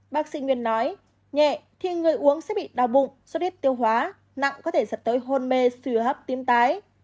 bác sĩ nguyễn nói nhẹ thì người uống sẽ bị đau bụng sốt hít tiêu hóa nặng có thể dẫn tới hôn mê sưu hấp tim tái